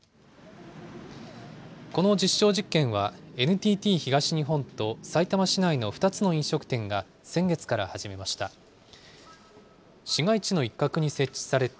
この実証実験は、ＮＴＴ東日本とさいたま市内の２つの飲食店が先月から始めました。